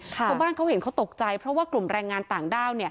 ชาวบ้านเขาเห็นเขาตกใจเพราะว่ากลุ่มแรงงานต่างด้าว